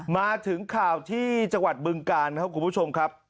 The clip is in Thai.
มาถึงข่าวที่จังหวัดบึงกาลครับคุณผู้ชมครับ